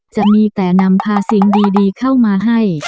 จะมีแต่นำพาสิ่งดีเข้ามาให้